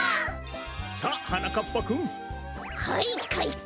さあはなかっぱくん！はいかいか！